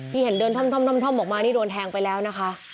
ที่เห็นเดินท่อมออกมานี่โดนแทงไปแล้วนะคะ